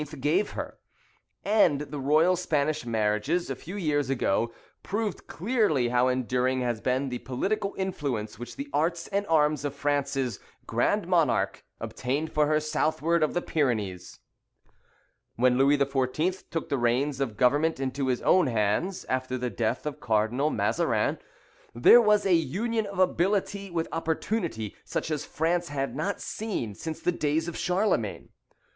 gave her. And the royal Spanish marriages, a few years ago, proved clearly how enduring has been the political influence which the arts and arms of France's "Grand Monarque" obtained for her southward of the Pyrenees. When Louis XIV. took the reins of government into his own hands, after the death of Cardinal Mazarin, there was a union of ability with opportunity, such as France had not seen since the days of Charlemagne.